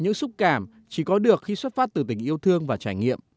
những xúc cảm chỉ có được khi xuất phát từ tình yêu thương và trải nghiệm